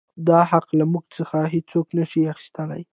دا حـق لـه مـوږ څـخـه هـېڅوک نـه شـي اخيـستلى.